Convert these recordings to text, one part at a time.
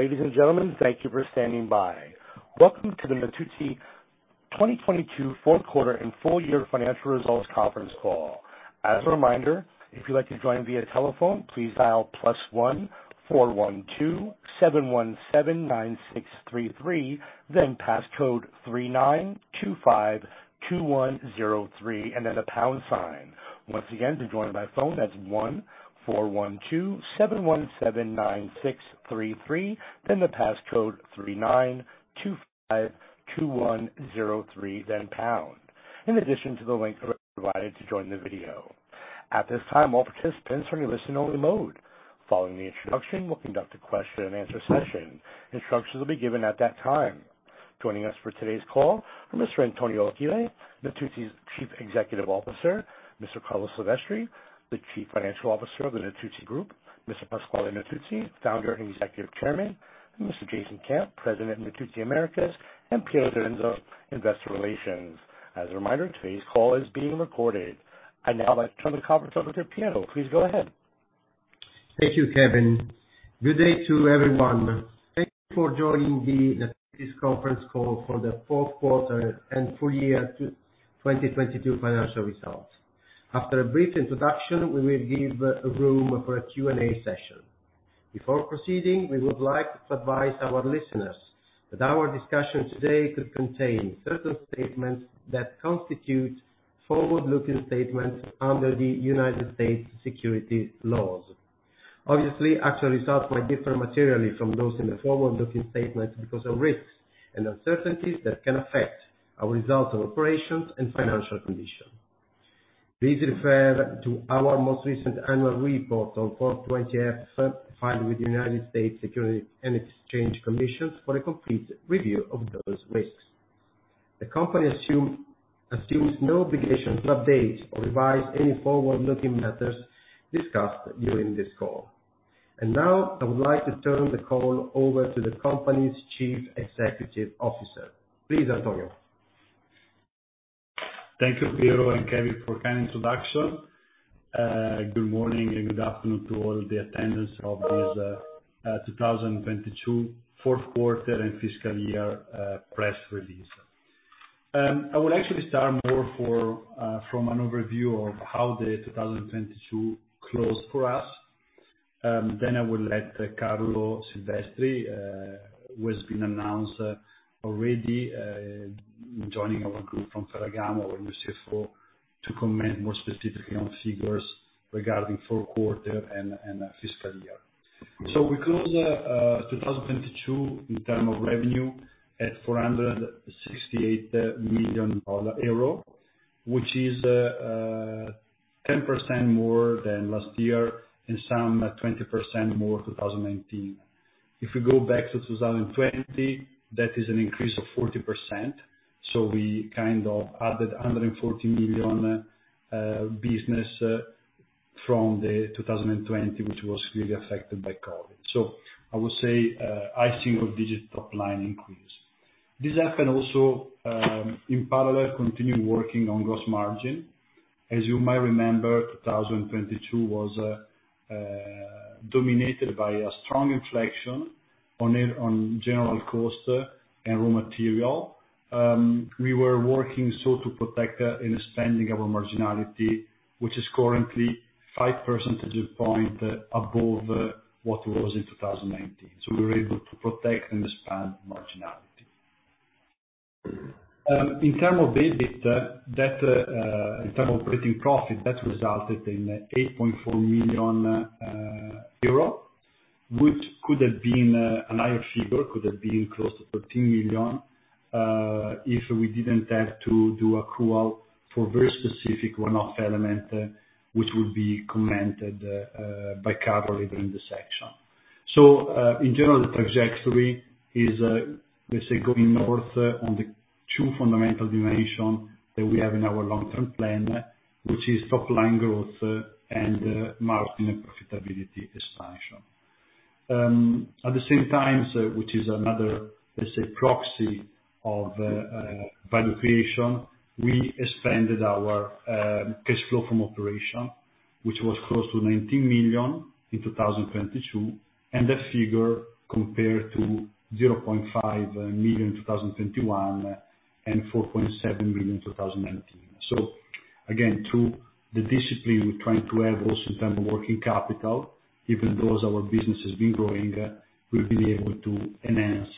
Ladies and gentlemen, thank you for standing by. Welcome to the Natuzzi 2022 4th quarter and full year financial results Conference Call. As a reminder, if you'd like to join via telephone, please dial +1 4127179633, then passcode 39252103 and then the pound sign. Once again, to join by phone, that's 1 4127179633, then the passcode 39252103 then pound. In addition to the link provided to join the video. At this time, all participants are in listen only mode. Following the introduction, we'll conduct a question and answer session. Instructions will be given at that time. Joining us for today's call are Mr. Antonio Achille, Natuzzi's Chief Executive Officer, Mr. Carlo Silvestri, the Chief Financial Officer of the Natuzzi Group, Mr. Pasquale Natuzzi, Founder and Executive Chairman, and Mr. Jason Camp, President, Natuzzi Americas, and Piero Direnzo, Investor Relations. As a reminder, today's call is being recorded. I'd now like to turn the conference over to Piero. Please go ahead. Thank you, Kevin. Good day to everyone. Thank you for joining the Natuzzi conference call for the fourth quarter and full year 2022 financial results. After a brief introduction, we will give room for a Q&A session. Before proceeding, we would like to advise our listeners that our discussion today could contain certain statements that constitute forward-looking statements under the United States securities laws. Obviously, actual results may differ materially from those in the forward-looking statements because of risks and uncertainties that can affect our results of operations and financial condition. Please refer to our most recent annual report on Form 20-F filed with the United States Securities and Exchange Commission for a complete review of those risks. The company assumes no obligation to update or revise any forward-looking matters discussed during this call. Now I would like to turn the call over to the company's Chief Executive Officer. Please, Antonio. Thank you, Piero and Kevin for kind introduction. Good morning and good afternoon to all the attendants of this 2022 fourth quarter and fiscal year press release. I would actually start more for from an overview of how the 2022 closed for us. I will let Carlo Silvestri, who has been announced already, joining our group from Ferragamo, our new CFO, to comment more specifically on figures regarding fourth quarter and fiscal year. We close 2022 in term of revenue at EUR 468 million, which is 10% more than last year and some 20% more than 2019. If we go back to 2020, that is an increase of 40%. we kind of added 140 million business from the 2020, which was really affected by COVID. I would say high single digit top line increase. This happened also, in parallel, continue working on gross margin. As you might remember, 2022 was dominated by a strong inflation on it, on general cost and raw material. we were working to protect and expanding our marginality, which is currently five percent point above what it was in 2019. we were able to protect and expand marginality. In term of EBIT, that, in term operating profit, that resulted in 8.4 million euro, which could have been a higher figure, could have been close to 13 million, if we didn't have to do accrual for very specific one-off element, which would be commented by Carlo later in the section. In general, the trajectory is, let's say, going north on the two fundamental dimension that we have in our long-term plan, which is top line growth and margin and profitability expansion. At the same time, which is another, let's say, proxy of value creation, we expanded our cash flow from operation, which was close to 19 million in 2022 and that figure compared to 0.5 million in 2021 and 4.7 million in 2019. Again, through the discipline we're trying to have also in terms of working capital, even those our business has been growing, we've been able to enhance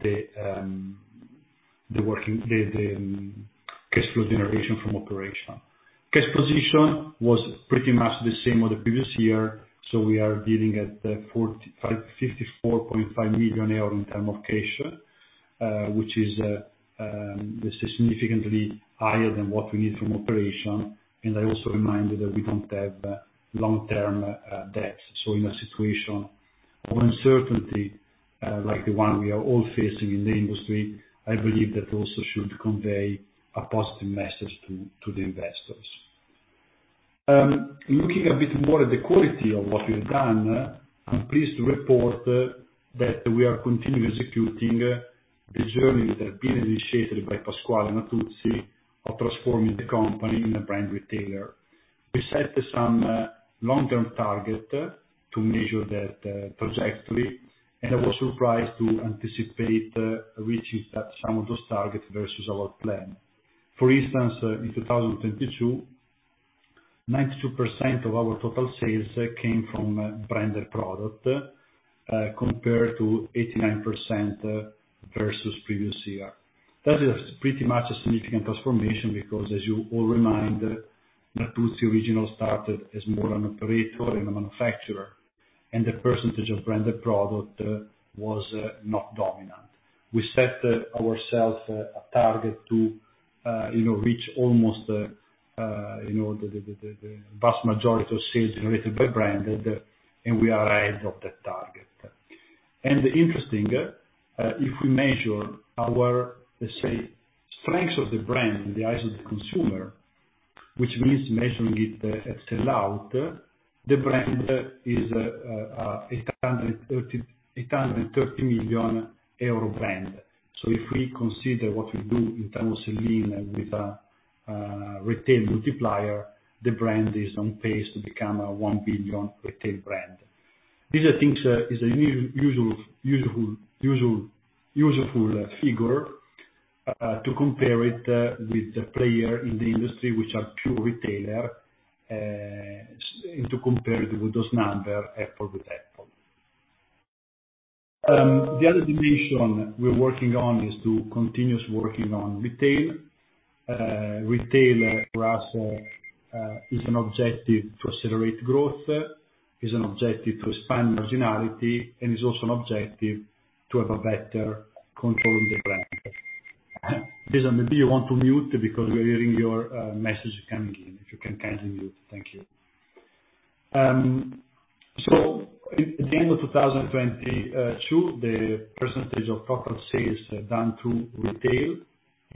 the cash flow generation from operation. Cash position was pretty much the same with the previous year, we are dealing at 54.5 million euro in term of cash, which is significantly higher than what we need from operation. I also remind you that we don't have long-term debts. In a situation of uncertainty like the one we are all facing in the industry, I believe that also should convey a positive message to the investors. Looking a bit more at the quality of what we've done, I'm pleased to report that we are continuing executing the journeys that have been initiated by Pasquale Natuzzi of transforming the company in a brand retailer. We set some long-term target to measure that trajectory, and I was surprised to anticipate reaching some of those targets versus our plan. For instance, in 2022, 92% of our total sales came from branded product, compared to 89% versus previous year. That is pretty much a significant transformation because as you all remind that Natuzzi original started as more an operator and a manufacturer, and the percentage of branded product was not dominant. We set ourself a target to, you know, reach almost, you know, the vast majority of sales generated by brand, and we are ahead of that target. Interesting, if we measure our, let's say strengths of the brand in the eyes of the consumer, which means measuring it at sell-out, the brand is 830 million euro brand. If we consider what we do in terms of lean and with retail multiplier, the brand is on pace to become a 1 billion retail brand. This I think is a useful figure, to compare it with the player in the industry which are pure retailer, and to compare it with those number apple with apple. The other dimension we're working on is to continuous working on retail. Retail for us is an objective to accelerate growth, is an objective to expand marginality, and is also an objective to have a better control of the brand. Lisa, maybe you want to mute because we're hearing your message coming in. If you can kindly mute. Thank you. At the end of 2022, the percentage of total sales done through retail,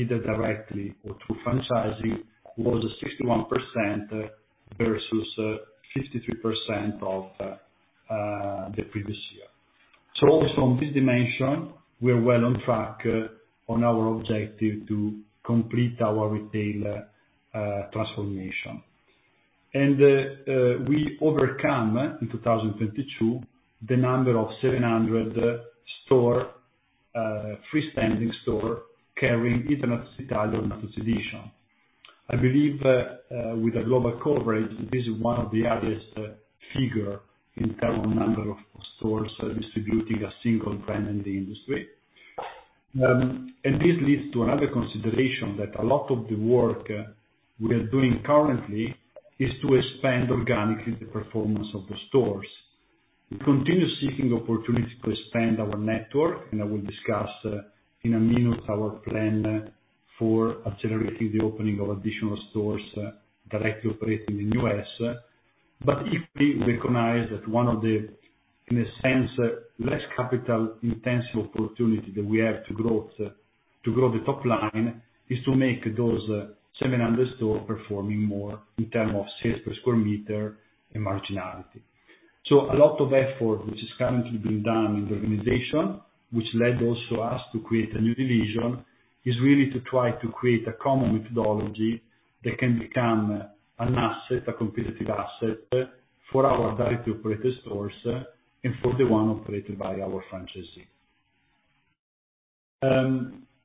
either directly or through franchising, was 61% versus 53% of the previous year. Also on this dimension, we're well on track on our objective to complete our retail transformation. We overcome in 2022, the number of 700 store freestanding store carrying even a style of Natuzzi Editions. I believe, with a global coverage, this is one of the highest figure in term of number of stores distributing a single brand in the industry. This leads to another consideration that a lot of the work we are doing currently is to expand organically the performance of the stores. We continue seeking opportunity to expand our network, and I will discuss in a minute our plan for accelerating the opening of additional stores directly operating in U.S. If we recognize that one of the, in a sense, less capital intensive opportunity that we have to grow the top line is to make those 700 store performing more in term of sales per square meter and marginality. A lot of effort which is currently being done in the organization, which led also us to create a new division, is really to try to create a common methodology that can become an asset, a competitive asset for our direct operator stores and for the one operated by our franchisee.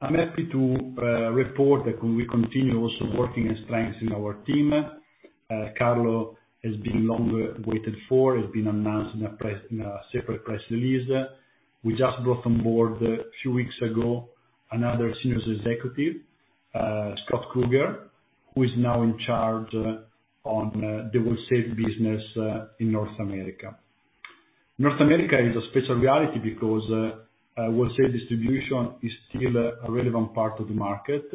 I'm happy to report that we continue also working and strengthening our team. Carlo has been long waited for, has been announced in a press, in a separate press release. We just brought on board a few weeks ago, another senior executive, Scott Kruger, who is now in charge on the wholesale business, in North America. North America is a special reality because wholesale distribution is still a relevant part of the market.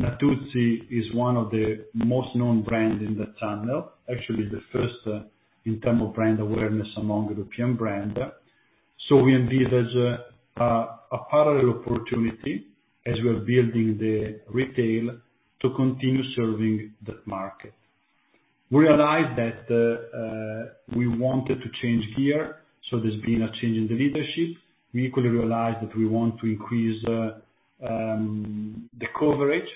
Natuzzi is one of the most known brand in that channel, actually the first, in term of brand awareness among European brand. We indeed as a parallel opportunity as we're building the retail to continue serving that market. We realized that we wanted to change gear, so there's been a change in the leadership. We equally realized that we want to increase the coverage,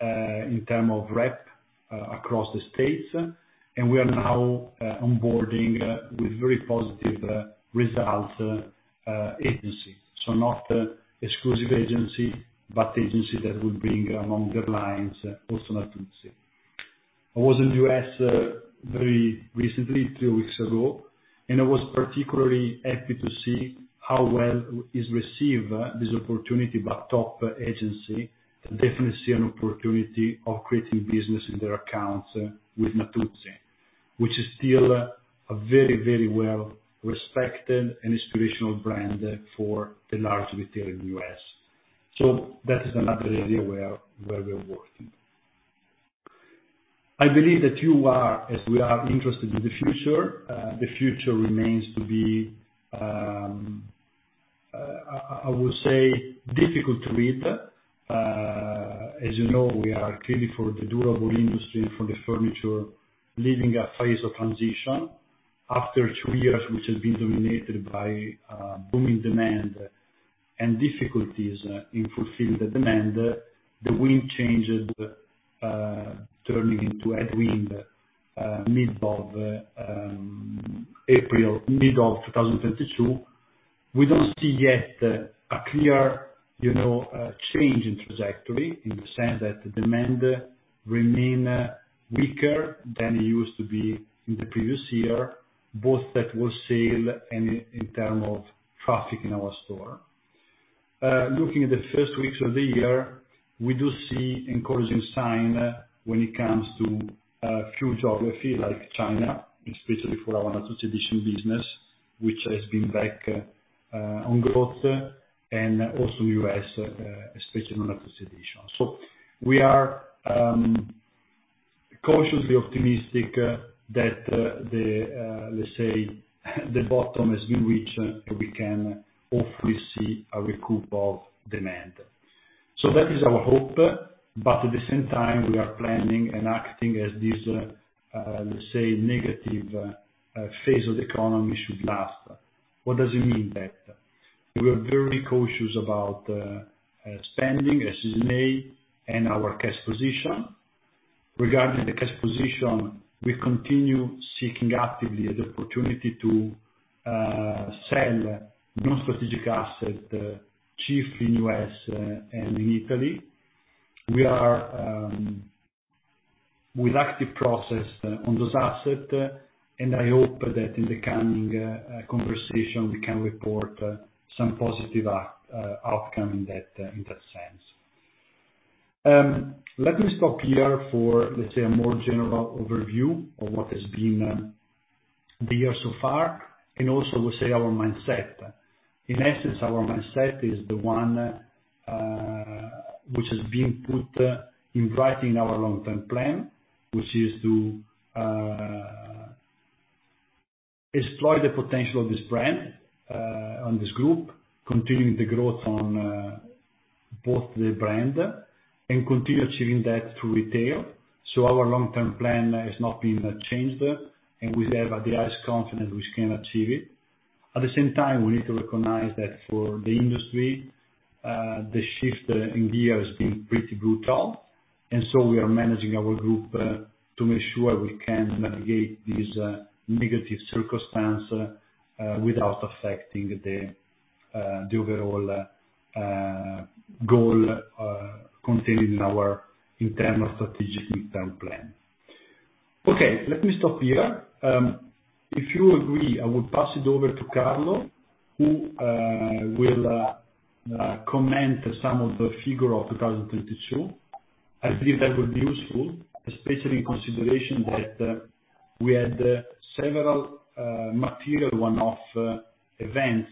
in term of rep, across the States. We are now onboarding with very positive results, agency. Not exclusive agency, but agency that will bring along their lines also Natuzzi. I was in the U.S., very recently, three weeks ago, and I was particularly happy to see how well is received this opportunity by top agency. Definitely see an opportunity of creating business in their accounts with Natuzzi, which is still a very, very well respected and inspirational brand for the large retailer in the U.S. That is another area where we're working. I believe that you are, as we are interested in the future, the future remains to be, I would say difficult to read. As you know, we are clearly for the durable industry and for the furniture, living a phase of transition after two years, which has been dominated by booming demand. Difficulties in fulfilling the demand, the wind changes, turning into headwind, mid of 2022. We don't see yet a clear, you know, change in trajectory in the sense that demand remain weaker than it used to be in the previous year, both at wholesale and in term of traffic in our store. Looking at the first weeks of the year, we do see encouraging sign when it comes to few geography like China, especially for our Natuzzi Editions business, which has been back on growth, and also U.S., especially Natuzzi Editions. We are cautiously optimistic that the let's say the bottom has been reached, and we can hopefully see a recoup of demand. That is our hope. At the same time we are planning and acting as this let's say negative phase of the economy should last. What does it mean that? We are very cautious about spending as is made and our cash position. Regarding the cash position, we continue seeking actively the opportunity to sell non-strategic asset, chief in U.S., and in Italy. We are with active process on those asset. I hope that in the coming conversation we can report some positive outcome in that in that sense. Let me stop here for, let's say, a more general overview of what has been the year so far and also will say our mindset. In essence, our mindset is the one which has been put in writing our long-term plan. Which is to exploit the potential of this brand on this Group, continue the growth on both the brand, and continue achieving that through retail. Our long-term plan has not been changed, and we have the highest confidence we can achieve it. At the same time, we need to recognize that for the industry, the shift in gear has been pretty brutal. We are managing our Group to make sure we can navigate these negative circumstance without affecting the overall goal contained in our internal strategic intent plan. Okay, let me stop here. If you agree, I will pass it over to Carlo, who will comment some of the figure of 2022. I believe that will be useful, especially in consideration that we had several material one-off events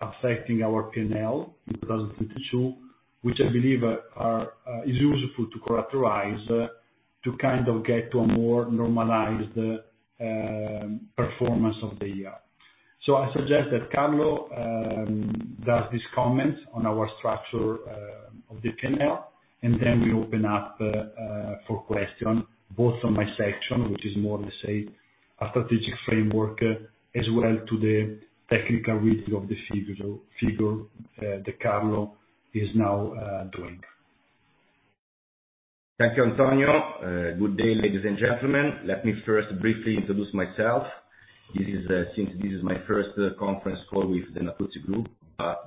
affecting our P&L in 2022, which I believe is useful to characterize to kind of get to a more normalized performance of the year. I suggest that Carlo does this comment on our structure of the P&L and then we open up for question both on my section, which is more, let's say, a strategic framework, as well to the technical reading of the figure that Carlo is now doing. Thank you, Antonio. Good day, ladies and gentlemen. Let me first briefly introduce myself. This is, since this is my first conference call with the Natuzzi Group.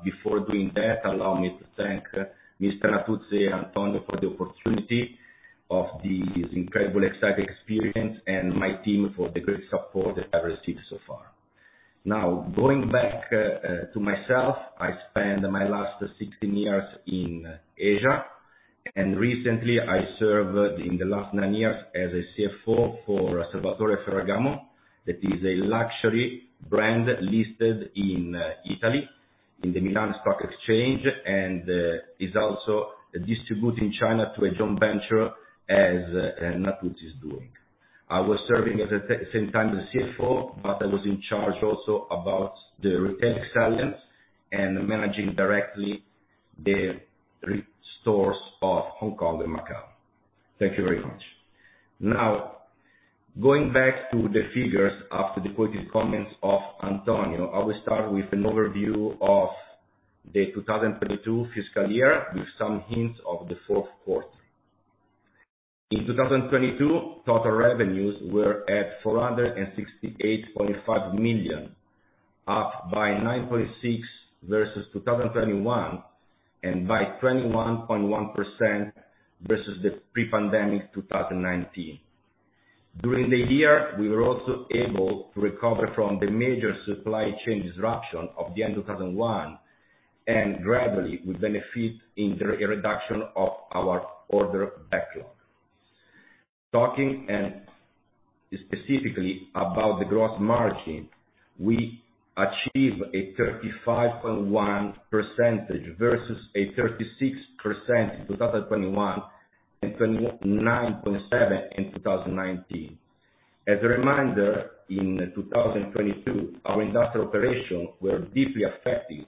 Before doing that, allow me to thank Mr. Natuzzi and Antonio for the opportunity of this incredible, exciting experience and my team for the great support that I received so far. Now, going back to myself, I spent my last 16 years in Asia. Recently I served in the last nine years as a CFO for Salvatore Ferragamo. That is a luxury brand listed in Italy, in the Milan Stock Exchange, and is also distributed in China to a joint venture as Natuzzi is doing. I was serving as a same time the CFO, but I was in charge also about the retail excellence and managing directly the stores of Hong Kong and Macau. Thank you very much. Now, going back to the figures. After the quoted comments of Antonio, I will start with an overview of the 2022 fiscal year with some hints of the fourth quarter. In 2022, total revenues were at 468.5 million, up by 9.6% versus 2021, and by 21.1% versus the pre-pandemic 2019. During the year, we were also able to recover from the major supply chain disruption of the end 2021, and gradually we benefit in the reduction of our order backlog. Talking specifically about the gross margin, we achieved a 35.1% versus a 36% in 2021, and 29.7% in 2019. As a reminder, in 2022, our industrial operations were deeply affected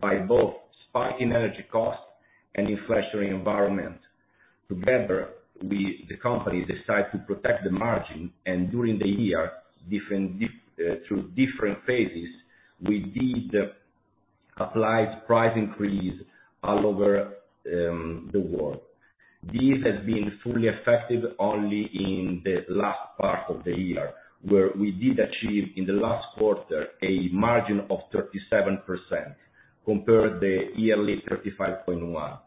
by both spike in energy costs and inflationary environment. Together, we, the company decided to protect the margin, and during the year, through different phases, we did apply price increase all over the world. This has been fully effective only in the last part of the year, where we did achieve, in the last quarter, a margin of 37% compared the yearly 35.1%.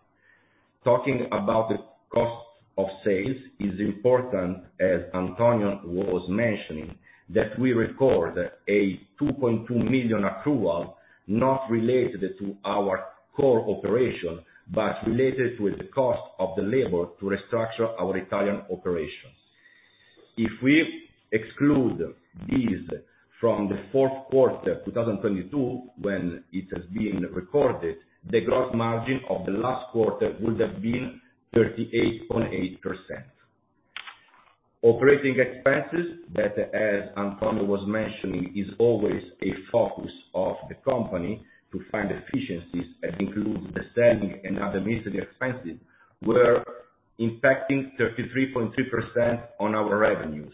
Talking about the cost of sales is important, as Antonio was mentioning, that we recorded a 2.2 million accrual not related to our core operation, but related with the cost of the labor to restructure our Italian operations. If we exclude this from the fourth quarter, 2022, when it has been recorded, the gross margin of the last quarter would have been 38.8%. Operating expenses that, as Antonio was mentioning, is always a focus of the company to find efficiencies and include the selling and other administrative expenses were impacting 33.2% on our revenues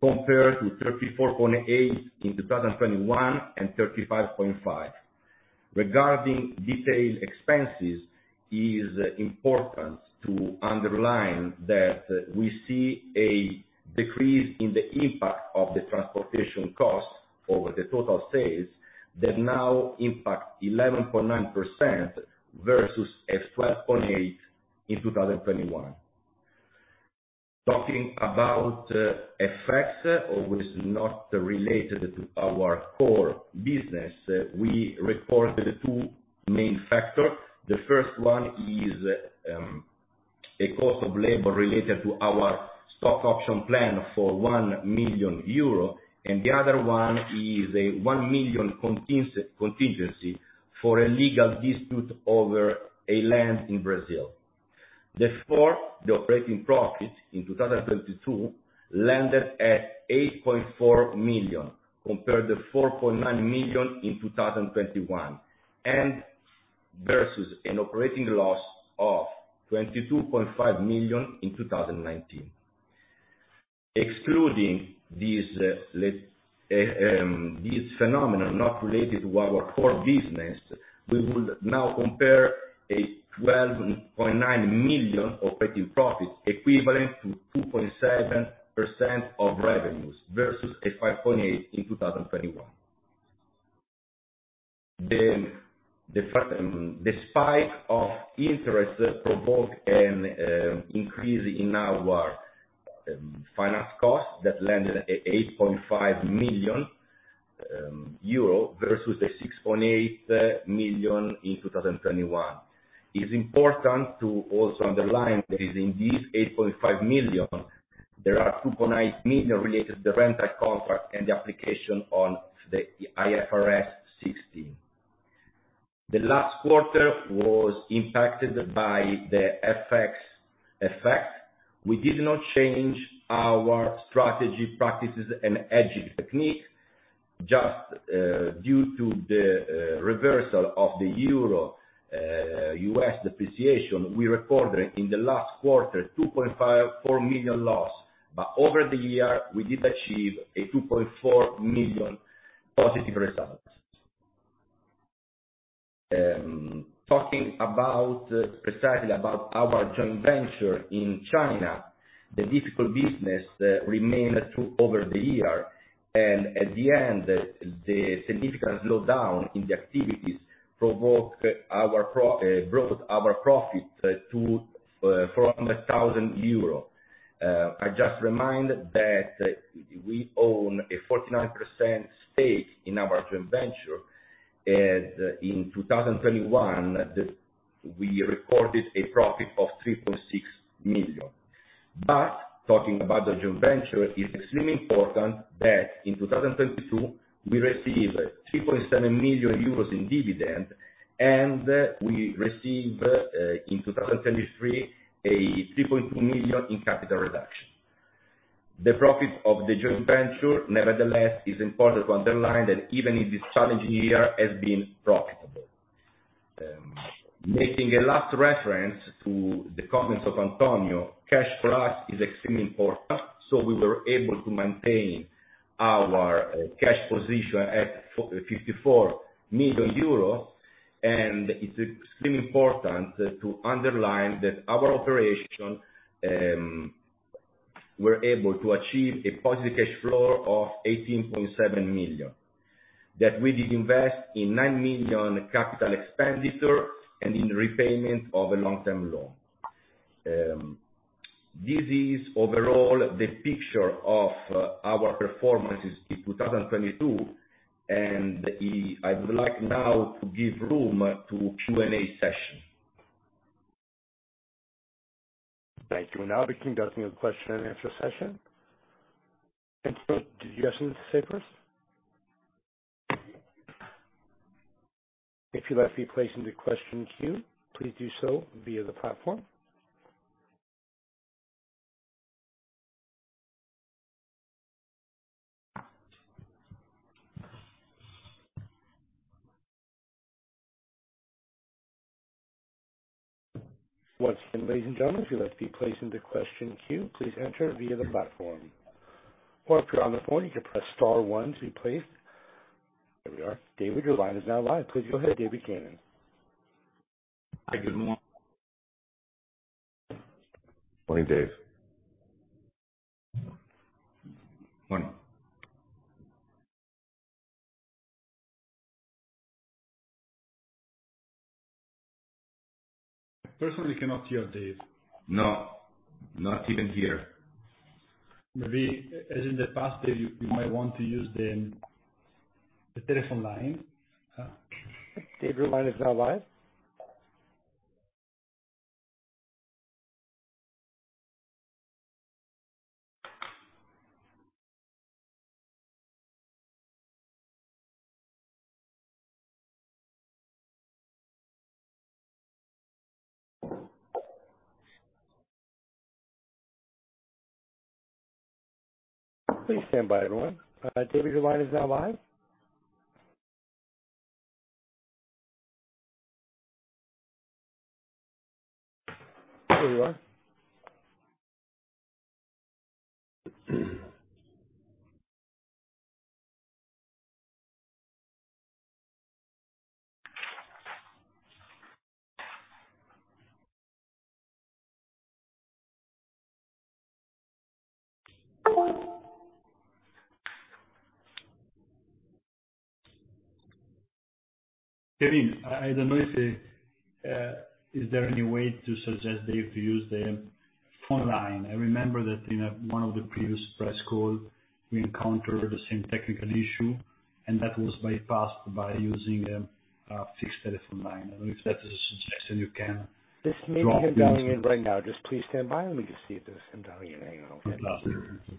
compared to 34.8% in 2021 and 35.5%. Regarding detailed expenses, is important to underline that we see a decrease in the impact of the transportation costs over the total sales that now impact 11.9% versus a 12.8% in 2021. Talking about FX which is not related to our core business, we reported two main factors. The first one is a cost of labor related to our stock option plan for 1 million euro, and the other one is a 1 million contingency for a legal dispute over a land in Brazil. Therefore, the operating profit in 2022 landed at 8.4 million compared to 4.9 million in 2021, and versus an operating loss of 22.5 million in 2019. Excluding these phenomenon not related to our core business, we would now compare a 12.9 million operating profit equivalent to 2.7% of revenues versus 5.8 million in 2021. The fact, despite of interest provoked an increase in our finance cost that landed at 8.5 million euro versus 6.8 million in 2021. It's important to also underline that in these 8.5 million, there are 2.9 million related to rental contract and the application on the IFRS 16. The last quarter was impacted by the FX effect. We did not change our strategy, practices and hedging technique. Due to the reversal of the euro U.S. depreciation, we recorded in the last quarter $2.54 million loss. Over the year, we did achieve a 2.4 million positive results. Talking about, precisely about our joint venture in China, the difficult business remained through over the year. At the end, the significant slowdown in the activities provoked our brought our profit to 400,000 euro. I just remind that we own a 49% stake in our joint venture, and in 2021, we recorded a profit of 3.6 million. Talking about the joint venture, it's extremely important that in 2022 we received 3.7 million euros in dividend, and we received in 2023 a 3.2 million in capital reduction. The profit of the joint venture, nevertheless, it's important to underline that even in this challenging year has been profitable. Making a last reference to the comments of Antonio, cash for us is extremely important, we were able to maintain our cash position at 54 million euros. It's extremely important to underline that our operation, were able to achieve a positive cash flow of 18.7 million. That we did invest in 9 million capital expenditure and in repayment of a long-term loan. This is overall the picture of our performances in 2022, I would like now to give room to Q&A session. Thank you. We're now beginning the question and answer session. Antonio, did you have something to say first? If you'd like to be placed into question queue, please do so via the platform. Once again, ladies and gentlemen, if you'd like to be placed into question queue, please enter via the platform. If you're on the phone, you can press star one to be placed. There we are. David, your line is now live. Please go ahead, David Kanen. Hi, good morn- Morning, Dave. Morning. Personally, we cannot hear Dave. No, not even here. Maybe as in the past, Dave, you might want to use the telephone line. David, your line is now live. Please stand by everyone. David, your line is now live. There you are. Kevin, I don't know if, is there any way to suggest Dave to use the phone line? I remember that in one of the previous press calls, we encountered the same technical issue, and that was bypassed by using a fixed telephone line. I don't know if that is a suggestion you can drop. This may be him dialing in right now. Just please stand by. Let me just see if this him dialing in. Hang on. I'd love to.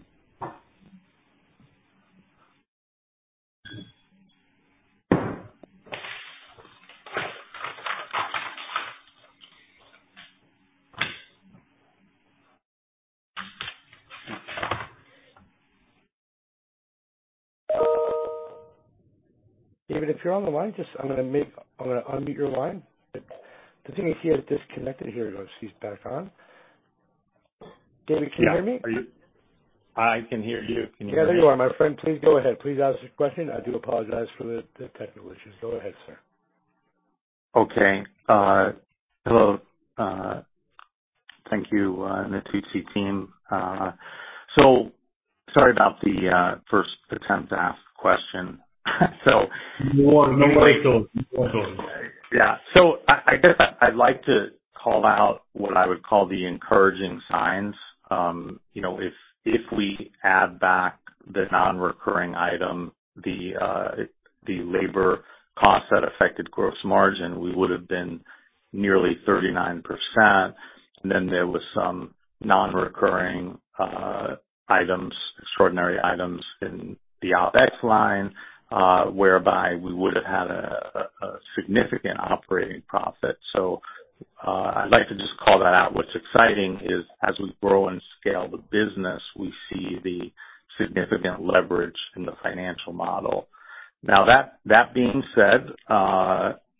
David, if you're on the line, I'm gonna unmute your line. The thing is, he has disconnected. Here we go. He's back on. David, can you hear me? Yeah. I can hear you. Can you hear me? Yeah, there you are, my friend. Please go ahead. Please ask the question. I do apologize for the technical issues. Go ahead, sir. Okay. Hello, thank you, Natuzzi team. Sorry about the first attempt to ask the question. No worry at all. No worries. I guess I'd like to call out what I would call the encouraging signs. You know, if we add back the non-recurring item, the labor costs that affected gross margin, we would've been nearly 39%. There was some non-recurring items, extraordinary items in the OPEX line, whereby we would've had a significant operating profit. I'd like to just call that out. What's exciting is, as we grow and scale the business, we see the significant leverage in the financial model. That being said,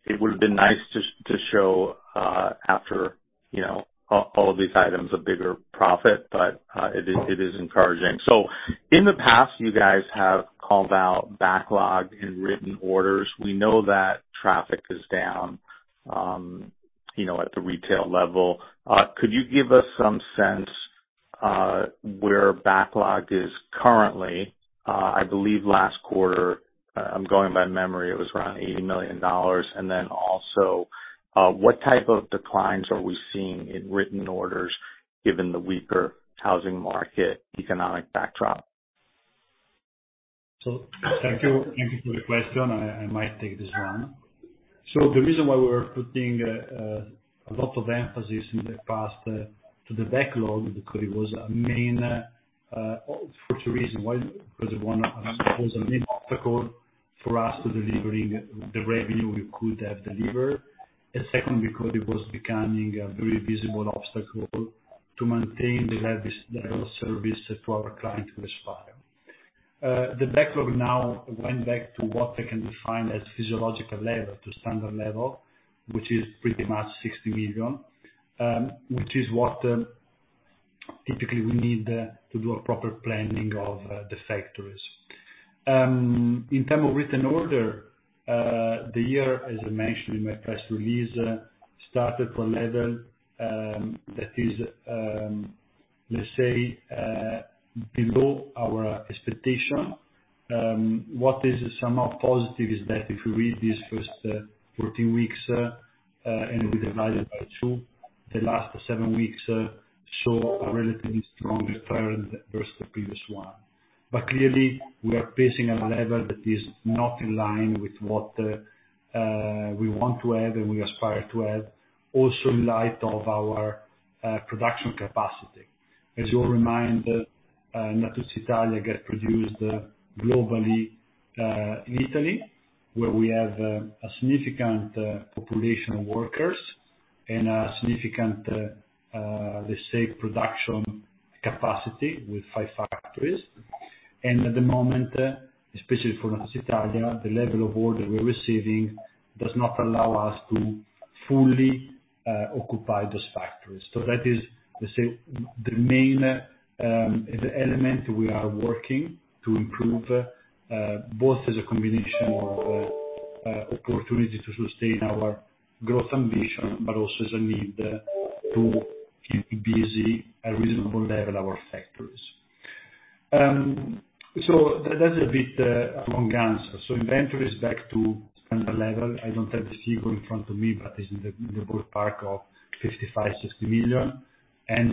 it would've been nice to show, after, you know, all of these items, a bigger profit. Mm. It is encouraging. In the past, you guys have called out backlog in written orders. We know that traffic is down, you know, at the retail level. Could you give us some sense where backlog is currently? I believe last quarter, I'm going by memory, it was around $80 million. Also, what type of declines are we seeing in written orders given the weaker housing market economic backdrop? Thank you. Thank you for the question. I might take this one. The reason why we're putting a lot of emphasis in the past to the backlog, because it was a main for two reasons. One, because it was a main obstacle for us to delivering the revenue we could have delivered. Second, because it was becoming a very visible obstacle to maintain the level of service to our clients. The backlog now went back to what I can define as physiological level, to standard level, which is pretty much 60 million, which is what typically we need to do a proper planning of the factories. In term of written order, the year, as I mentioned in my press release, started from level that is, let's say, below our expectation. What is somehow positive is that if you read these first 14 weeks, and we divide it by two, the last seven weeks show a relatively stronger trend versus the previous one. Clearly, we are facing a level that is not in line with what we want to have and we aspire to have also in light of our production capacity. As you're reminded, Natuzzi Italia get produced globally, in Italy, where we have a significant population of workers and a significant, let's say, production capacity with five factories. At the moment, especially for Italia, the level of order we're receiving does not allow us to fully occupy those factories. That is the main element we are working to improve, both as a combination of opportunity to sustain our growth ambition, but also as a need to keep busy a reasonable level our factories. That is a bit a long answer. Inventory is back to standard level. I don't have the figure in front of me, but it's in the, in the ballpark of 55 million-60 million.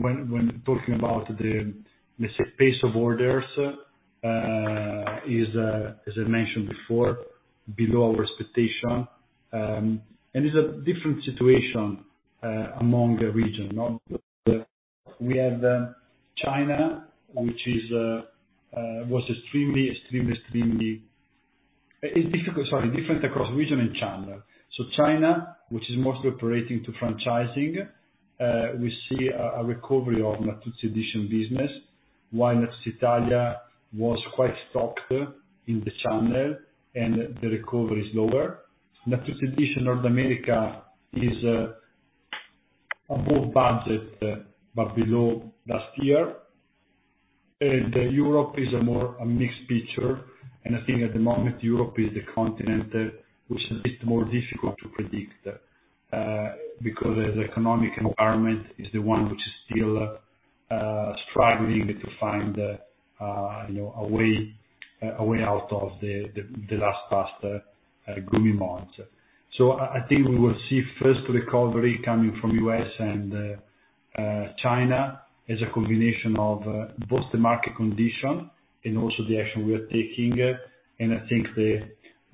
When talking about the space of orders is as I mentioned before, below our expectation. It's a different situation among the region. Now, we have China, which is different across region and channel. China, which is mostly operating to franchising, we see a recovery of Natuzzi Editions business, while Natuzzi Italia was quite stocked in the channel and the recovery is lower. Natuzzi Editions North America is above budget, but below last year. Europe is a more, a mixed picture, and I think at the moment, Europe is the continent that was a bit more difficult to predict, because as the economic environment is the one which is still struggling to find, you know, a way out of the last past gloomy months. I think we will see first recovery coming from U.S. and China as a combination of both the market condition and also the action we're taking. I think the,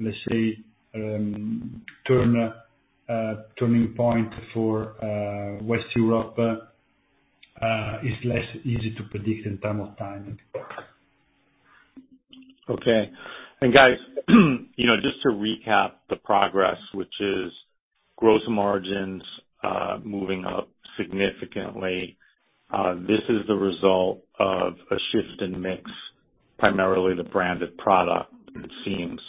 let's say, turn, turning point for West Europe is less easy to predict in term of timing. Okay. You know, just to recap the progress, which is gross margins, moving up significantly. This is the result of a shift in mix, primarily the branded product, it seems,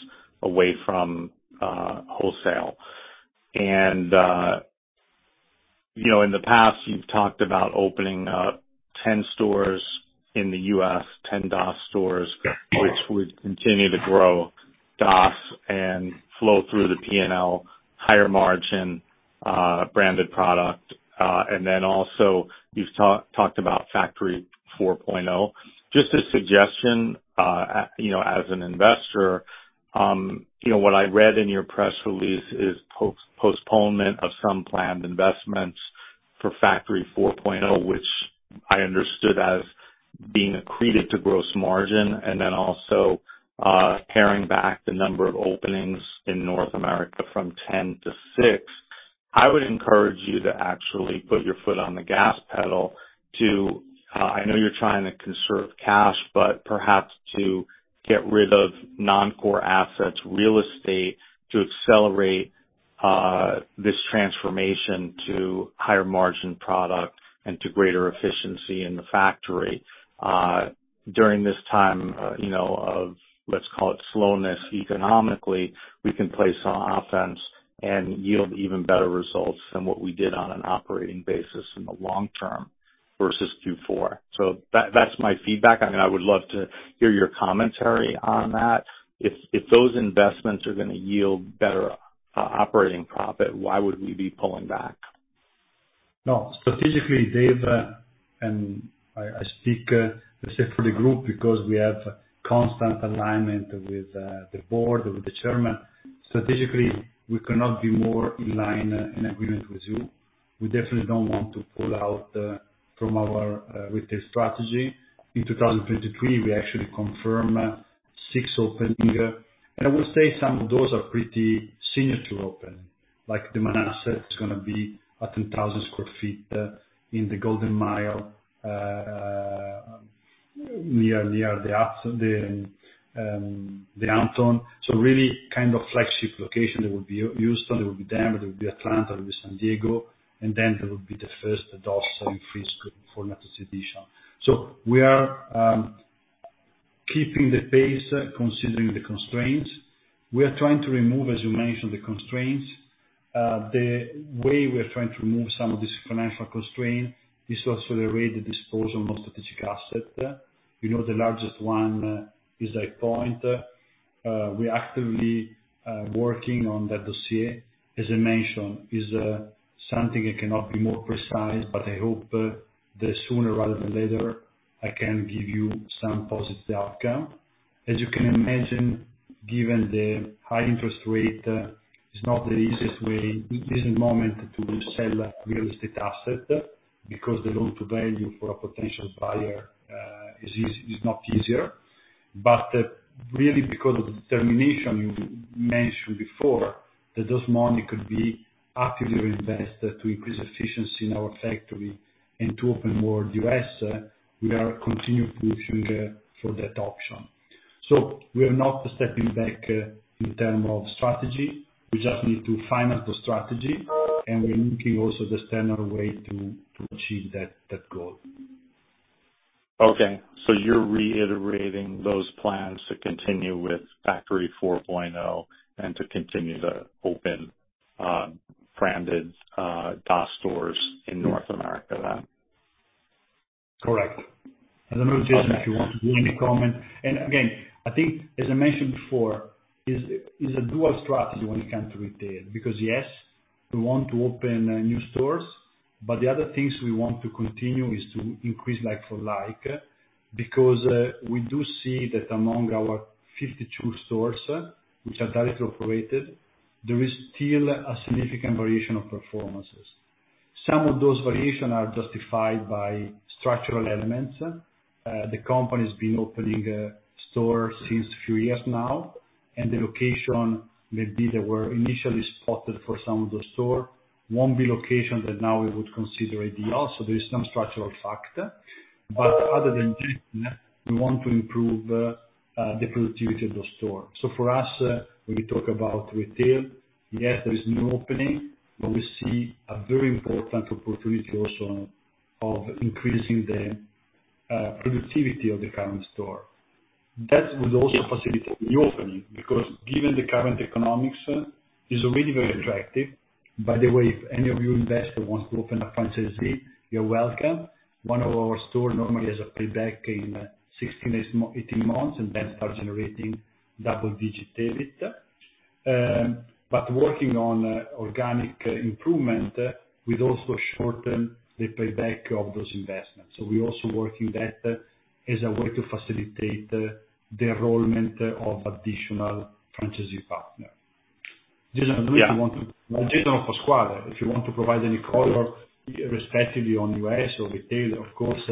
away from wholesale. You know, in the past, you've talked about opening up 10 stores in the U.S., 10 DOS stores. Yeah. Which would continue to grow DOS and flow through the PNL, higher margin, branded product. Also you've talked about Factory 4.0. Just a suggestion, you know, as an investor, you know, what I read in your press release is postponement of some planned investments for Factory 4.0, which I understood as being accreted to gross margin. Also, paring back the number of openings in North America from 10 to six. I would encourage you to actually put your foot on the gas pedal to, I know you're trying to conserve cash, but perhaps to get rid of non-core assets, real estate, to accelerate this transformation to higher margin product and to greater efficiency in the factory. During this time, you know, of let's call it slowness economically, we can play some offense and yield even better results than what we did on an operating basis in the long-term versus Q4. That's my feedback. I mean, I would love to hear your commentary on that. If those investments are gonna yield better operating profit, why would we be pulling back? No. Strategically, Dave, and I speak, I say for the group, because we have constant alignment with the board, with the chairman. Strategically, we cannot be more in line in agreement with you. We definitely don't want to pull out from our retail strategy. In 2023, we actually confirm six opening. I will say some of those are pretty signature open, like the Manassas is gonna be a 10,000 sq ft in the Golden Mile, near the Outlets. Really kind of flagship location. It would be Houston, it would be Denver, it would be Atlanta, it would be San Diego, and then it would be the first DOS in Frisco for Natuzzi Editions. We are keeping the pace, considering the constraints. We are trying to remove, as you mentioned, the constraints. The way we are trying to remove some of this financial constraint is also the rate of disposal of strategic asset. We know the largest one is iPoint. We're actively working on that dossier. As I mentioned, is something I cannot be more precise, but I hope that sooner rather than later, I can give you some positive outcome. As you can imagine, given the high interest rate, it's not the easiest way this moment to sell real estate asset because the loan-to-value for a potential buyer is not easier. Really because of the determination you mentioned before, that this money could be actively reinvested to increase efficiency in our factory and to open more U.S., we are continuing pushing for that option. We are not stepping back in terms of strategy. We just need to finance the strategy, and we're looking also the standard way to achieve that goal. You're reiterating those plans to continue with Factory 4.0 and to continue to open branded DOS stores in North America. Correct. I don't know, Jason, if you want to give any comment. I think as I mentioned before, is a dual strategy when it comes to retail because, yes, we want to open new stores, but the other things we want to continue is to increase like-for-like, because we do see that among our 52 stores, which are directly operated, there is still a significant variation of performances. Some of those variation are justified by structural elements. The company's been opening stores since a few years now, and the location maybe that were initially spotted for some of the store won't be locations that now we would consider ideal. There is some structural factor. Other than that, we want to improve the productivity of the store. For us, when we talk about retail, yes, there is new opening, but we see a very important opportunity also of increasing the productivity of the current store. That would also facilitate new opening because given the current economics is already very attractive. By the way, if any of you investor wants to open a franchisee, you're welcome. One of our store normally has a payback in 16-18 months and then start generating double-digit EBIT. Working on organic improvement will also shorten the payback of those investments. We're also working that as a way to facilitate the enrollment of additional franchisee partner. Jason, I don't know if you want to- Yeah. Jason or Pasquale, if you want to provide any color respectively on U.S. or retail, of course,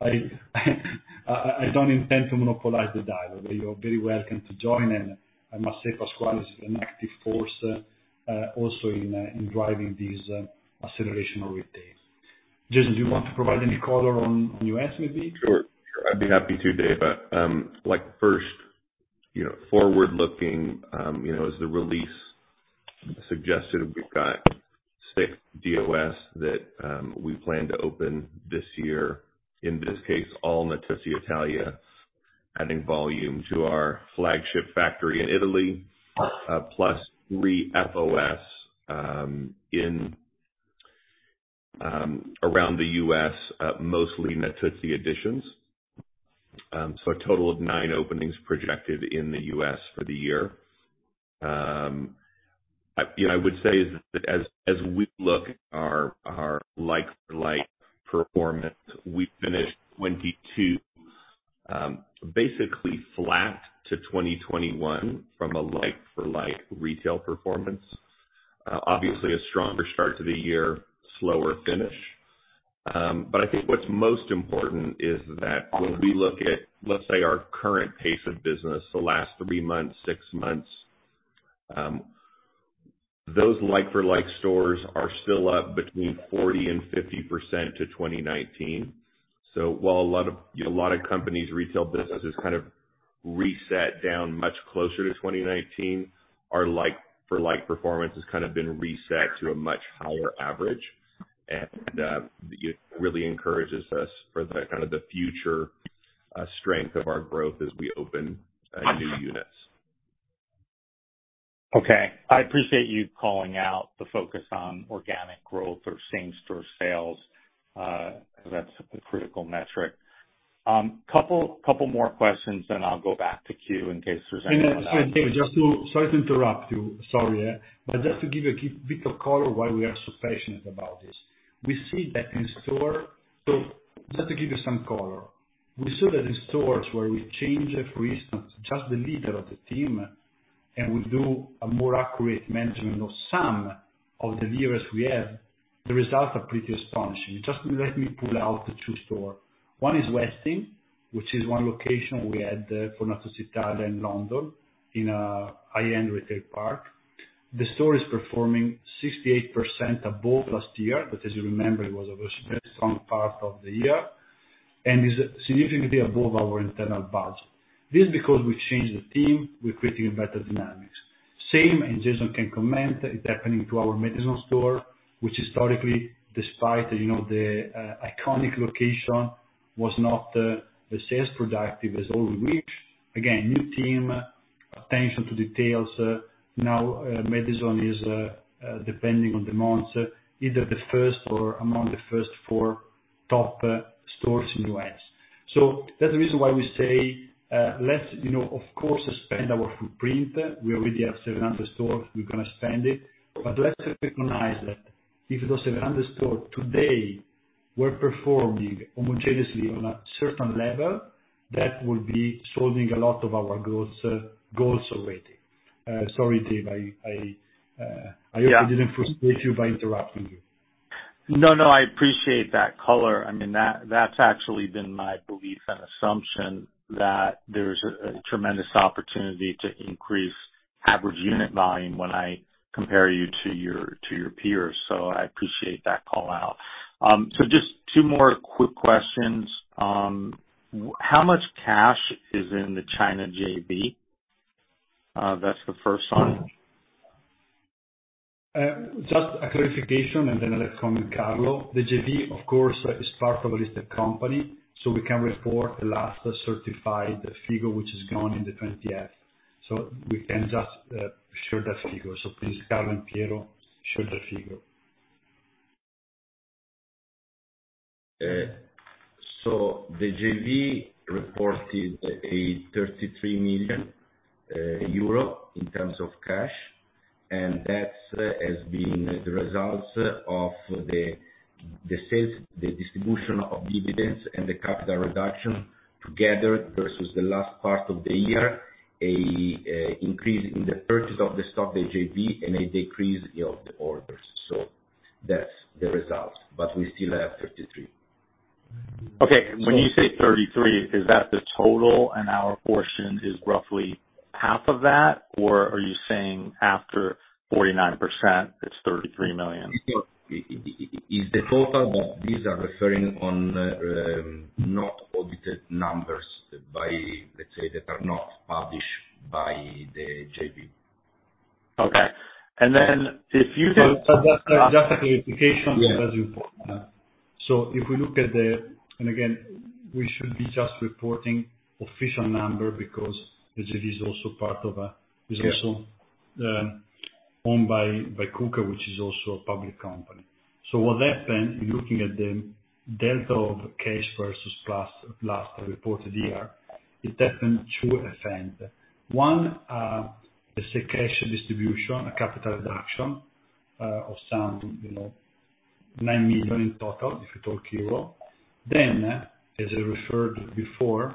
I don't intend to monopolize the dialogue. You're very welcome to join and I must say Pasquale is an active force also in driving these acceleration of retail. Jason, do you want to provide any color on U.S. maybe? Sure. Sure. I'd be happy to, David. like first, you know, forward looking, you know, as the release suggested, we've got 6 DOS that we plan to open this year. In this case, all in Natuzzi Italia, adding volume to our flagship factory in Italy, plus three FOS in around the U.S., mostly in Natuzzi Editions. A total of nine openings projected in the U.S. for the year. I, you know, I would say is that as we look at our like-for-like performance, we finished 2022 basically flat to 2021 from a like-for-like retail performance. Obviously a stronger start to the year, slower finish. I think what's most important is that when we look at, let's say, our current pace of business, the last three months, six months, those like-for-like stores are still up between 40% and 50% to 2019. While a lot of, you know, a lot of companies' retail business is kind of reset down much closer to 2019, our like-for-like performance has kind of been reset to a much higher average and, you know, really encourages us for the kind of the future strength of our growth as we open new units. Okay. I appreciate you calling out the focus on organic growth or same store sales, because that's the critical metric. Couple more questions, then I'll go back to queue in case there's anyone else. Sorry, David Kanen, just to give you a key bit of color why we are so passionate about this. We see that in stores where we change, for instance, just the leader of the team and we do a more accurate management of some of the levers we have, the results are pretty astonishing. Just let me pull out the two stores. One is Westfield, which is one location we had for Natuzzi Italia in London in a high-end retail park. The store is performing 68% above last year, but as you remember, it was a very strong part of the year, and is significantly above our internal budget. This is because we've changed the team, we're creating a better dynamics. Same, and Jason can comment, it's happening to our Madison store, which historically, despite, you know, the iconic location, was not as sales productive as all we wish. Again, new team, attention to details. Now, Madison is depending on demands, either the first or among the first four top stores in U.S. That's the reason why we say, let's, you know, of course, expand our footprint. We already have 700 stores. We're gonna expand it. Let's recognize that if those 700 stores today were performing homogeneously on a certain level, that would be solving a lot of our goals already. Sorry, Dave, I. Yeah. I hope I didn't frustrate you by interrupting you. No, no, I appreciate that color. I mean, that's actually been my belief and assumption that there's a tremendous opportunit. Opportunity to increase average unit volume when I compare you to your, to your peers. I appreciate that call out. Just two more quick questions. How much cash is in the China JV? That's the first one. Just a clarification and then I'll let come in Carlo. The JV, of course, is part of a listed company. We can report the last certified figure which is gone in the 20-F. We can just show that figure. Please, Carlo and Piero, show that figure. The JV reported 33 million euro in terms of cash, and that's has been the results of the sales, the distribution of dividends and the capital reduction together versus the last part of the year. Increase in the purchase of the stock, the JV, and a decrease of the orders. That's the result. We still have 33 million. Okay. When you say 33, is that the total and our portion is roughly half of that or are you saying after 49% it's 33 million? It's the total, but these are referring on not audited numbers by, let's say, that are not published by the JV. Okay. Just a clarification as you point. If we look at the... and again, we should be just reporting official number because the JV is also part of. Yeah. Is also owned by Kuka, which is also a public company. What happened, looking at the delta of cash versus plus last reported year, it happened two events. One is a cash distribution, a capital reduction of some, you know, 9 million in total, if you talk euro. As I referred before,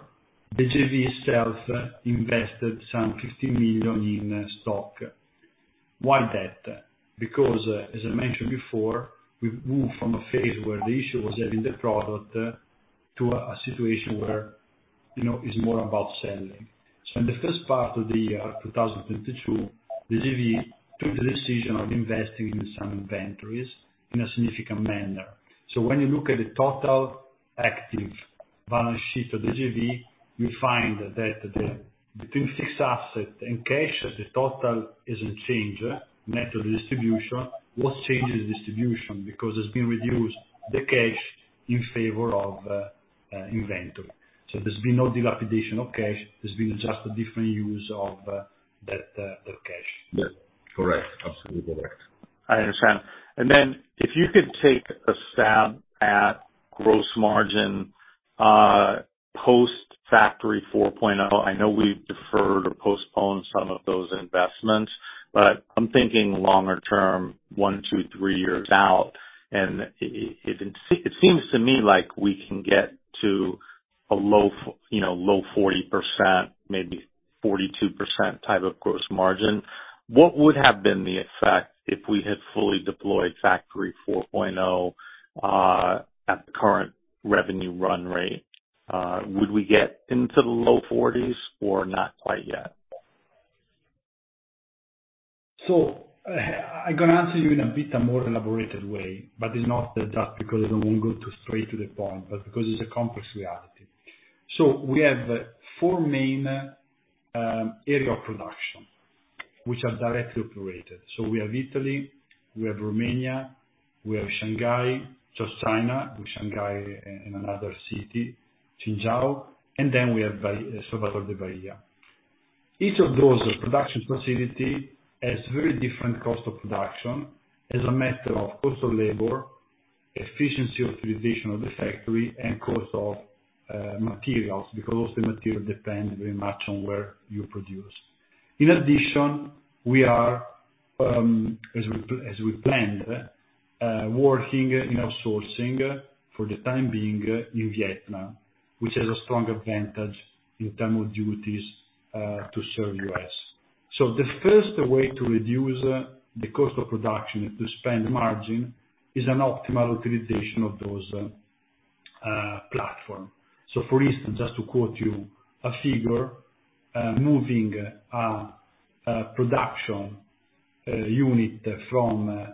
the JV itself invested some 15 million in stock. Why that? As I mentioned before, we've moved from a phase where the issue was having the product to a situation where, you know, it's more about selling. In the first part of the year, 2022, the JV took the decision of investing in some inventories in a significant manner. When you look at the total active balance sheet of the JV, you find that the, between fixed asset and cash, the total is a change net of distribution. What changed is distribution because it's been reduced the cash in favor of inventory. There's been no dilapidation of cash. There's been just a different use of that cash. Yes. Correct. Absolutely correct. I understand. Then if you could take a stab at gross margin, post Factory 4.0. I know we've deferred or postponed some of those investments, but I'm thinking longer-term, one, two, three years out. It seems to me like we can get to a low you know, low 40%, maybe 42% type of gross margin. What would have been the effect if we had fully deployed Factory 4.0 at the current revenue run rate? Would we get into the low 40s or not quite yet? I'm going to answer you in a bit more elaborated way, but it's not just because I won't go to straight to the point, but because it's a complex reality. We have four main area of production which are directly operated. We have Italy, we have Romania, we have Shanghai, China, with Shanghai and another city, Qingdao, and then we have Salvador de Bahia. Each of those production facility has very different cost of production as a matter of cost of labor, efficiency utilization of the factory, and cost of materials, because also material depends very much on where you produce. In addition, we are, as we planned, working in outsourcing for the time being in Vietnam, which has a strong advantage in term of duties, to serve U.S. The first way to reduce the cost of production to spend margin is an optimal utilization of those platform. For instance, just to quote you a figure, moving a production unit from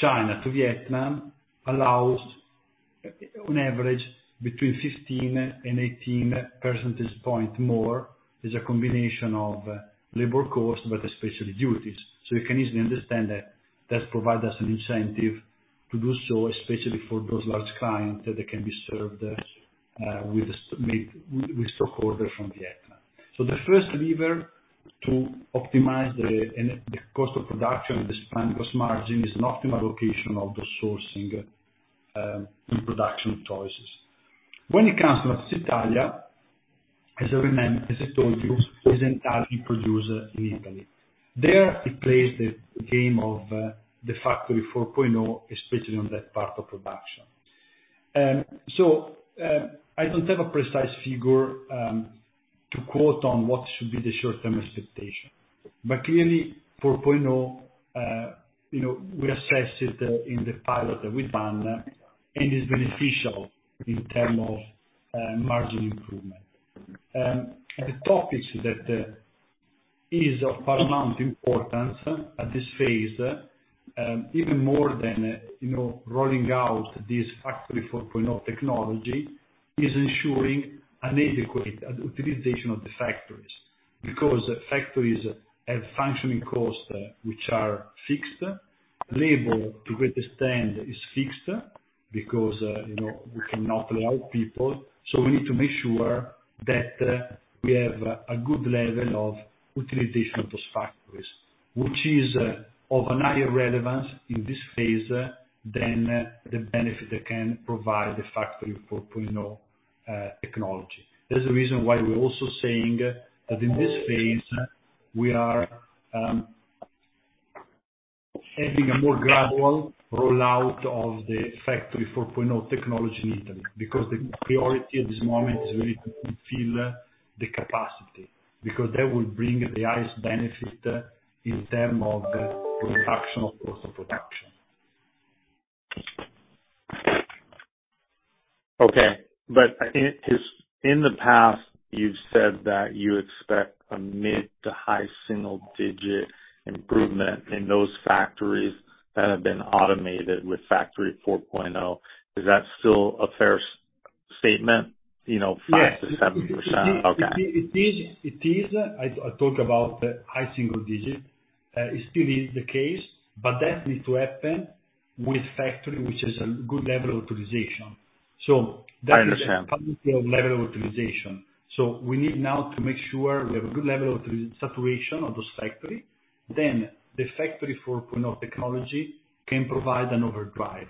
China to Vietnam allows on average between 15 and 18 percentage point more. Is a combination of labor cost, but especially duties. You can easily understand that that provide us an incentive to do so, especially for those large clients that they can be served with stock order from Vietnam. The first lever to optimize the cost of production and the spend gross margin is an optimal location of the sourcing in production choices. When it comes to Italsofa, as I told you, is entirely produced in Italy. There it plays the game of the Factory 4.0, especially on that part of production. I don't have a precise figure to quote on what should be the short-term expectation. Clearly, 4.0, you know, we assessed it in the pilot that we've done, and it's beneficial in term of margin improvement. The topics that is of paramount importance at this phase, even more than, you know, rolling out this Factory 4.0 technology, is ensuring an adequate utilization of the factories. Because factories have functioning costs which are fixed. Labor to great extent is fixed because, you know, we cannot lay off people. We need to make sure that we have a good level of utilization of those factories, which is of an higher relevance in this phase than the benefit that can provide the Factory 4.0 technology. There's the reason why we're also saying that in this phase we are having a more gradual rollout of the Factory 4.0 technology in Italy, because the priority at this moment is really to fulfill the capacity, because that will bring the highest benefit in term of reduction of cost of production. Okay. In the past, you've said that you expect a mid to high single digit improvement in those factories that have been automated with Factory 4.0. Is that still a fair statement? You know, 5%-7%. Yes. Okay. It is. I talked about high single digit. It still is the case, but that needs to happen with factory which has a good level of utilization. That is. I understand. Function of level of utilization. We need now to make sure we have a good level of utilization, saturation of this factory. The Factory 4.0 technology can provide an overdrive,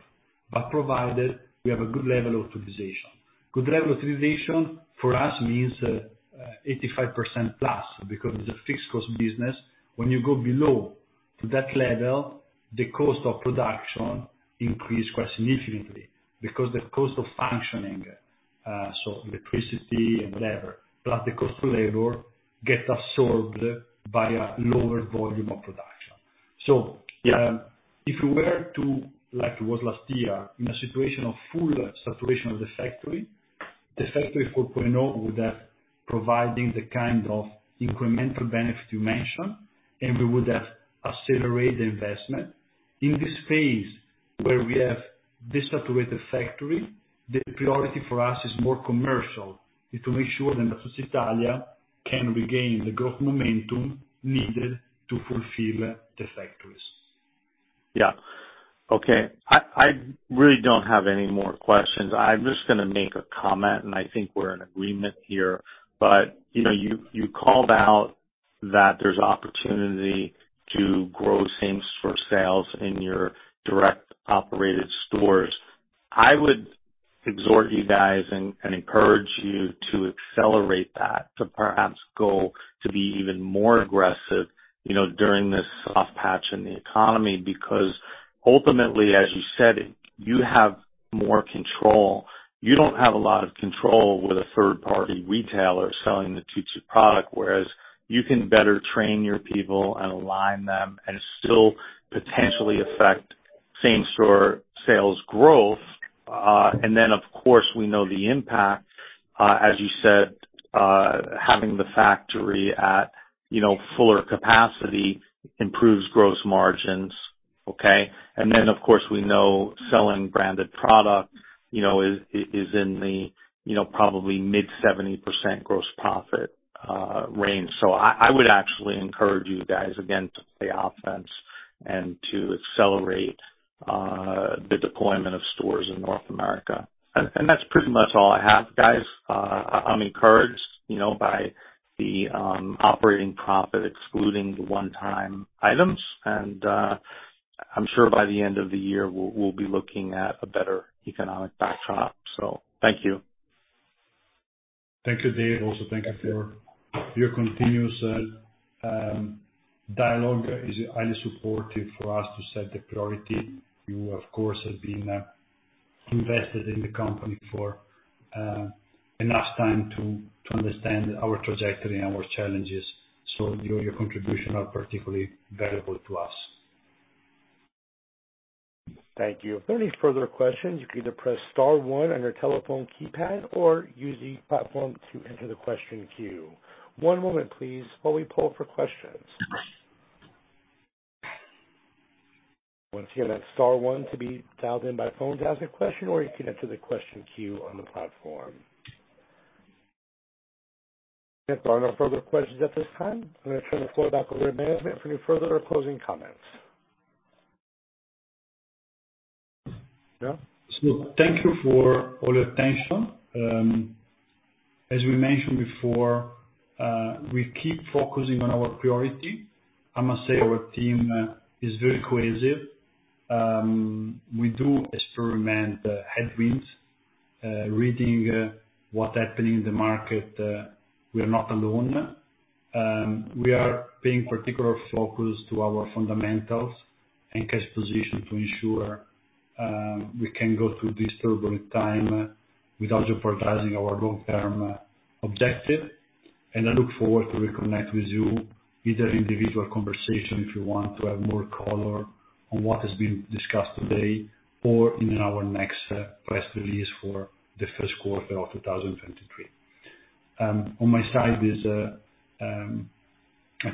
but provided we have a good level of utilization. Good level utilization for us means 85% plus, because it's a fixed cost business. When you go below to that level, the cost of production increase quite significantly because the cost of functioning, so electricity and whatever, plus the cost of labor gets absorbed by a lower volume of production. If you were to, like it was last year, in a situation of full saturation of the factory, the Factory 4.0 would have providing the kind of incremental benefit you mentioned, and we would have accelerated the investment. In this phase where we have this saturated factory, the priority for us is more commercial. Is to make sure that Natuzzi Italia can regain the growth momentum needed to fulfill the factories. Yeah. Okay. I really don't have any more questions. I'm just gonna make a comment, and I think we're in agreement here. You know, you called out that there's opportunity to grow same store sales in your direct operated stores. I would exhort you guys and encourage you to accelerate that, to perhaps go to be even more aggressive, you know, during this soft patch in the economy, because ultimately, as you said, you have more control. You don't have a lot of control with a third party retailer selling the Tutu product, whereas you can better train your people and align them and still potentially affect same store sales growth. Of course we know the impact, as you said, having the factory at, you know, fuller capacity improves gross margins, okay? Of course, we know selling branded product, you know, is in the, you know, probably mid 70% gross profit range. I would actually encourage you guys again to play offense and to accelerate the deployment of stores in North America. That's pretty much all I have, guys. I'm encouraged, you know, by the operating profit excluding the one-time items. I'm sure by the end of the year we'll be looking at a better economic backdrop. Thank you. Thank you, Dave. Thank you for your continuous dialogue is highly supportive for us to set the priority. You of course have been invested in the company for enough time to understand our trajectory and our challenges. Your contribution are particularly valuable to us. Thank you. If there are any further questions, you can either press star one on your telephone keypad or use the platform to enter the question queue. One moment please, while we poll for questions. Once again, that's star one to be dialed in by phone to ask a question, or you can enter the question queue on the platform. There are no further questions at this time. I'm gonna turn the floor back over to management for any further closing comments. Yeah. Thank you for all your attention. As we mentioned before, we keep focusing on our priority. I must say our team is very cohesive. We do experiment headwinds, reading what's happening in the market. We are not alone. We are paying particular focus to our fundamentals and cash position to ensure we can go through this turbulent time without jeopardizing our long-term objective. I look forward to reconnect with you, either individual conversation if you want to have more color on what has been discussed today or in our next press release for the first quarter of 2023. On my side is a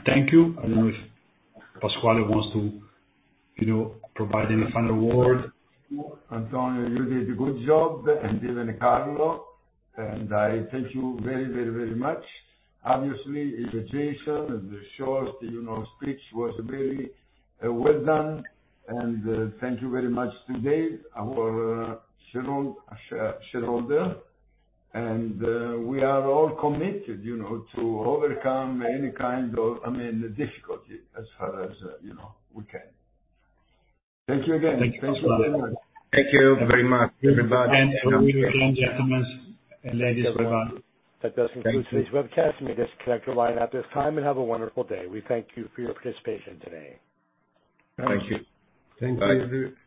thank you. I don't know if Pasquale wants to, you know, provide any final word. Antonio, you did a good job, and even Carlo, and I thank you very, very, very much. Obviously, it's Jason and the short, you know, speech was very well done. Thank you very much to David, our shareholder. We are all committed, you know, to overcome any kind of, I mean, difficulty as far as, you know, we can. Thank you again. Thank you very much. Thank you very much, everybody. That does conclude today's webcast. You may disconnect your line at this time and have a wonderful day. We thank you for your participation today. Thank you. Thank you.